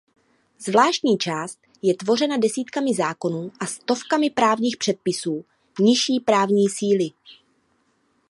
Zvláštní část je tvořena desítkami zákonů a stovkami právních předpisů nižší právní síly.